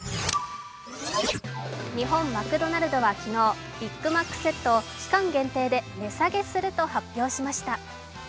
日本マクドナルドは昨日、ビッグマックセットを期間限定で値下げすると発表しました。